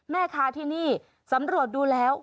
แม่ค้าที่นี่สำรวจดูแล้ว